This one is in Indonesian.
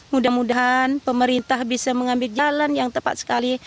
mudah mudahan pemerintah bisa mengambil jalan yang tepat sekali